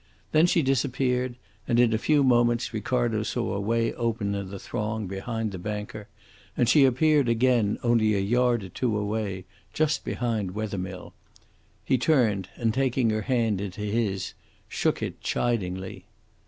Then she disappeared, and in a few moments Ricardo saw a way open in the throng behind the banker, and she appeared again only a yard or two away, just behind Wethermill. He turned, and taking her hand into his, shook it chidingly.